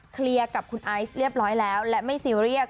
เคลียร์กับคุณไอซ์เรียบร้อยแล้วและไม่ซีเรียส